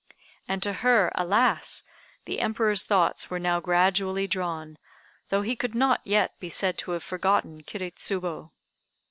And to her alas! the Emperor's thoughts were now gradually drawn, though he could not yet be said to have forgotten Kiri Tsubo.